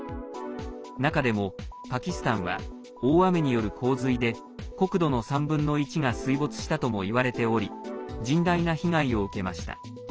中でもパキスタンは大雨による洪水で国土の３分の１が水没したとも言われており甚大な被害を受けました。